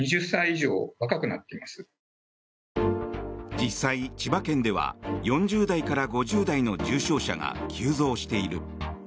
実際、千葉県では４０代から５０代の重症者が急増している。